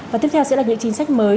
và tiếp theo sẽ là những chính sách mới